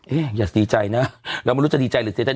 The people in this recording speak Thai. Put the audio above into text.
อย่าดีใจนะเราไม่รู้จะดีใจหรือเสียใจ